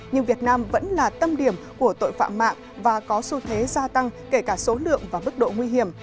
nhưng việt nam vẫn là tâm điểm của tội phạm mạng và có xu thế gia tăng kể cả số lượng và mức độ nguy hiểm